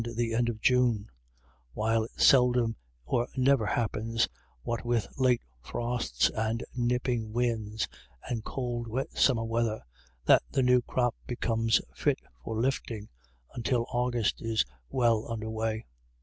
87 the end of June; while it seldom or never happens, what with late frosts and nipping winds, and cold wet summer weather, that the new crop becomes fit for " lifting " until August is well under way.